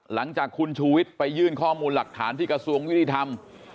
หลังจากคุณชูวิทย์ไปยื่นข้อมูลหลักฐานที่กระทรวงยุติธรรม